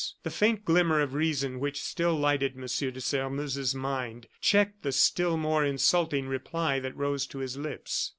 The faint glimmer of reason which still lighted M. de Sairmeuse's mind, checked the still more insulting reply that rose to his lips.